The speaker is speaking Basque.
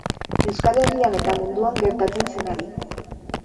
Euskal Herrian eta munduan gertatzen zenari.